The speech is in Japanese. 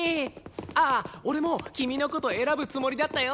ああ俺も君の事選ぶつもりだったよ。